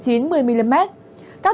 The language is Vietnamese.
các tỉnh có thể thấy